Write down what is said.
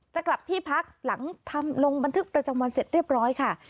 จะกลับที่พักหลังทำลงบันทึกประจำวันเสร็จเรียบร้อยค่ะ